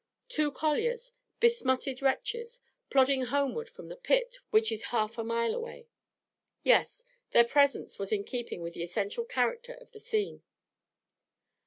Two colliers, besmutted wretches, plodding homeward from the 'pit' which is half a mile away. Yes, their presence was in keeping with the essential character of the scene.